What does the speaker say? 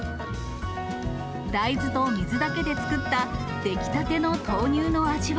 大豆と水だけで作った出来たての豆乳の味は。